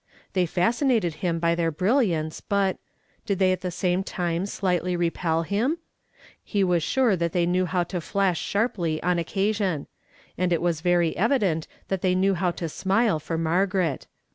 They fascinated him by their brilliance, but — did they at the same time slightly repel him ? He was sure that they knew how to flash sharply on occasion ; and it was very evident that they knew how to smile for Margaret.